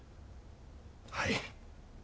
はい。